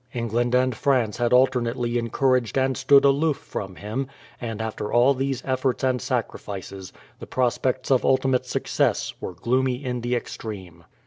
England and France had alternately encouraged and stood aloof from him, and after all these efforts and sacrifices the prospects of ultimate success were gloomy in the extreme.